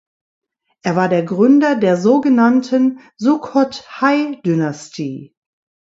Er war der Gründer der so genannten Sukhothai-Dynastie.